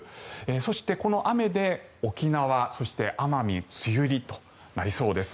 そして、この雨で沖縄、そして奄美は梅雨入りとなりそうです。